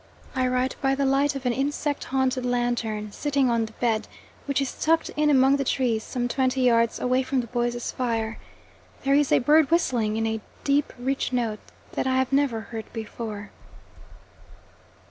I write by the light of an insect haunted lantern, sitting on the bed, which is tucked in among the trees some twenty yards away from the boys' fire. There is a bird whistling in a deep rich note that I have never heard before.